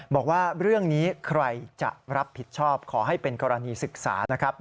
บอกว่าเรื่องนี้ใครจะรับผิดชอบขอให้เป็นกรณีศึกษานะครับ